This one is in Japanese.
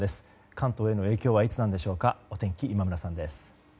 関東への影響はいつなんでしょうお天気、今村さんです。